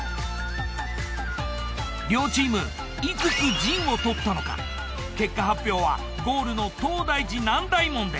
両チームいくつ陣を取ったのか結果発表はゴールの東大寺南大門で。